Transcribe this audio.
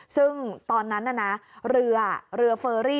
ซึ่งตอนนั้นน่ะนะเรือเรือเฟอรี่